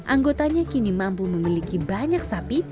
anggotanya kini mampu memiliki banyak sapi